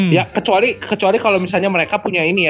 ya kecuali kalau misalnya mereka punya ini ya